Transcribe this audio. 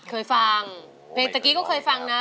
เคยฟังเพลงตะกี้ก็เคยฟังนะ